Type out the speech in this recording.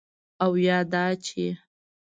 او یا دا چې: